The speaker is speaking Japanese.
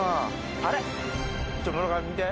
あれ？